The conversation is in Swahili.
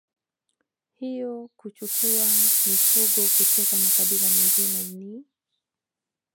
hiyo kuchukua mifugo kutoka makabila mengine ni